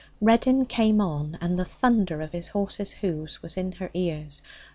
Reddin came on, and the thunder of his horse's hoofs was in her ears.